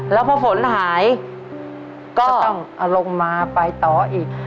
แล้วพอฝนหายก็ต้องเอาลงมาไปต่ออีก